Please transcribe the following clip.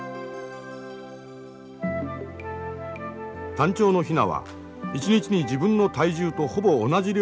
タンチョウのヒナは一日に自分の体重とほぼ同じ量の餌を食べる。